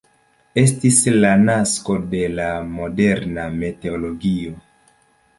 Estis la nasko de la moderna meteologio.